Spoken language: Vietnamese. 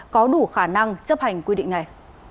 có đủ khả năng chấp hành quy định này